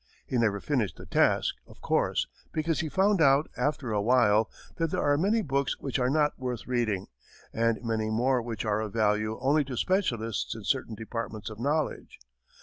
He never finished the task, of course, because he found out, after a while, that there are many books which are not worth reading, and many more which are of value only to specialists in certain departments of knowledge.